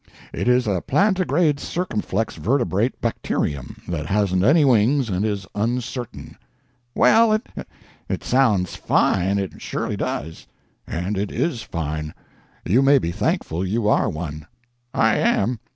"It is a plantigrade circumflex vertebrate bacterium that hasn't any wings and is uncertain." "Well, it—it sounds fine, it surely does." "And it is fine. You may be thankful you are one." "I am.